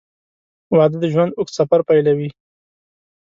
• واده د ژوند اوږد سفر پیلوي.